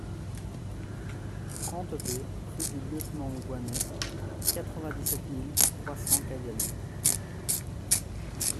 trente-deux rue du Lieutenant Goinet, quatre-vingt-dix-sept mille trois cents Cayenne